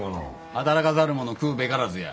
「働かざる者食うべからず」や。